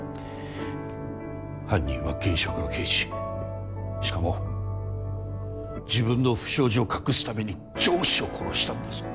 犯人は現職の刑事しかも自分の不祥事を隠すために上司を殺したんだぞ。